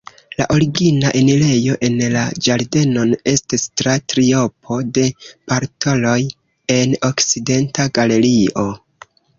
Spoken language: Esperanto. La origina enirejo en la ĝardenon estis tra triopo de portaloj en okcidenta galerio.